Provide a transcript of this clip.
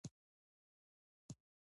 بادرنګ د سترګو آرامي ده.